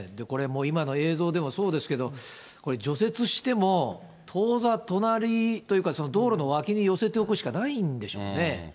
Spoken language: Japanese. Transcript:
これ、もう今の映像でもそうですけれども、これ、除雪しても、当座、隣というか、道路の脇に寄せておくしかないんでしょうね。